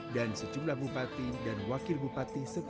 dan sejumlah bupati dan wakil bupati sepenuhnya